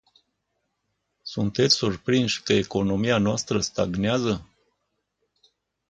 Sunteți surprinși că economia noastră stagnează?